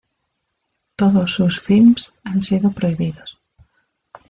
Todos sus films han sido prohibidos.